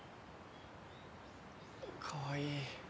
かわいい。